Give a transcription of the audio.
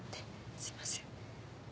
すいません。